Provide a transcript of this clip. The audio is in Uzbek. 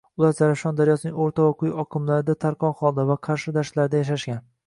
Ular Zarafshon daryosining o‘rta va quyi oqimlarida tarqoq holda va Qarshi dashtlarida yashashgan.